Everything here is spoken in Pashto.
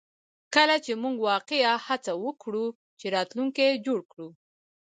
کله چې موږ واقعیا هڅه وکړو چې راتلونکی جوړ کړو